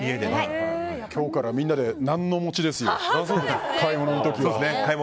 今日からみんなでナンノ持ちですよ。